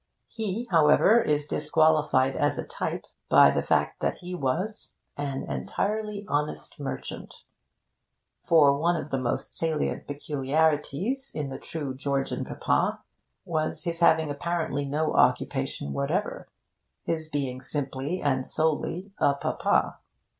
He, however, is disqualified as a type by the fact that he was 'an entirely honest merchant.' For one of the most salient peculiarities in the true Georgian Papa was his having apparently no occupation whatever his being simply and solely a Papa.